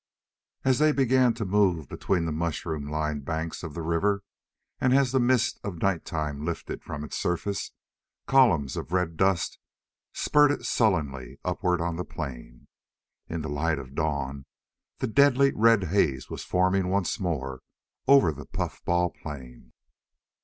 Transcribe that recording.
As they began to move between the mushroom lined banks of the river, and as the mist of nighttime lifted from its surface, columns of red dust spurted sullenly upward on the plain. In the light of dawn the deadly red haze was forming once more over the puffball plain.